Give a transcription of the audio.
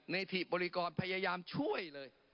ในที่บริการพยายามช่วยเลย